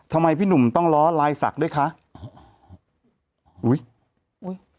ทำไมพี่หนุ่มต้องรอลายสักด้วยล่ะครับ